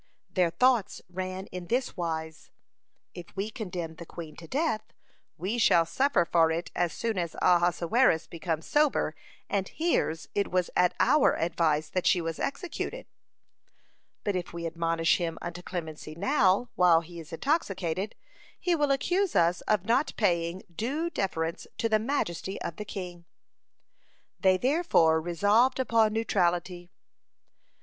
Their thoughts ran in this wise: If we condemn the queen to death, we shall suffer for it as soon as Ahasuerus becomes sober, and hears it was at our advice that she was executed. But if we admonish him unto clemency now, while he is intoxicated, he will accuse us of not paying due deference to the majesty of the king. They therefore resolved upon neutrality.